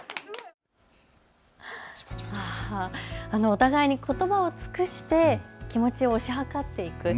お互いにことばを尽くして気持ちを推し量っていく。